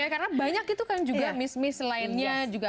karena banyak itu kan juga miss miss lainnya juga